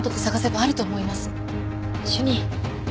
主任。